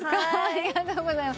ありがとうございます。